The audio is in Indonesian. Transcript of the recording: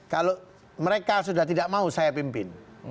kalau mereka sudah tidak mau saya pimpin